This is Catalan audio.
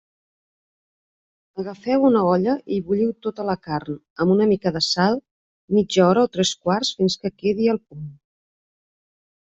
Agafeu una olla i bulliu tota la carn, amb una mica de sal, mitja hora o tres quarts fins que quedi al punt.